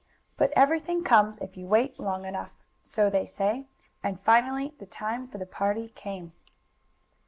But everything comes if you wait long enough, so they say, and finally the time for the party came.